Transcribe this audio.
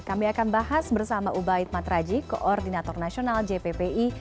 kami akan bahas bersama ubaid matraji koordinator nasional jppi